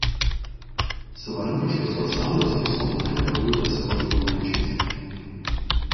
Savarankiškus vasalus jis pamažu pakeitė savo giminaičiais.